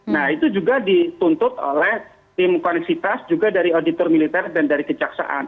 nah itu juga dituntut oleh tim koneksitas juga dari auditor militer dan dari kejaksaan